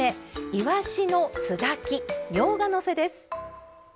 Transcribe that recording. いわしの酢炊きみょうがのせ。